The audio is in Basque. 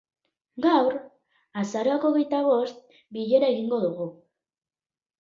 Gaur, azaroak hogeita bost, bilera egingo dugu.